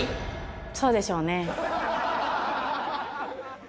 そうでしょうね。